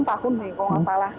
delapan tahun nih kalau gak salah